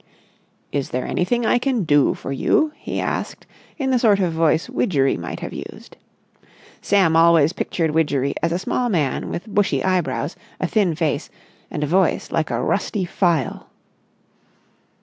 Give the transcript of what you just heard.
"Is there anything I can do for you?" he asked in the sort of voice Widgery might have used. Sam always pictured Widgery as a small man with bushy eyebrows, a thin face, and a voice like a rusty file.